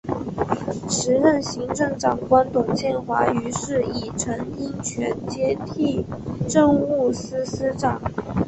时任行政长官董建华于是以曾荫权接替政务司司长。